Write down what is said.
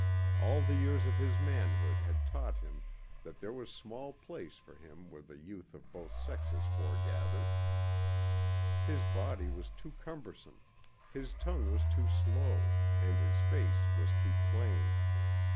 All the years of his manhood had taught him that there was small place for him where the youth of both sexes foregathered. His body was too cumbersome, his tongue was too slow, and his face was too plain.